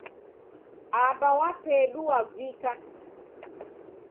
Aba wa pedu wavika